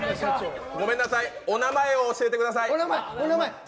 ごめんなさいお名前を教えてください。